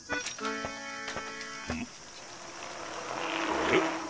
あれ？